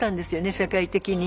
社会的に。